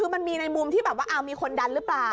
มันมีในมุมที่แบบว่าอ้าวมีคนดันรึเปล่า